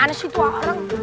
mana si tuan orang